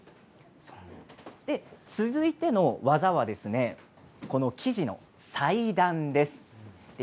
続いての技は生地の裁断ですね。